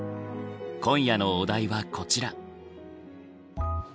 今夜のお題はこちら。